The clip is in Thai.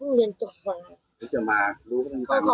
สำหรับพี่หนุ่ม